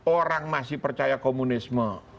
orang masih percaya komunisme